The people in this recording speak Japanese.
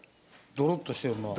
ドロッとしてるのは。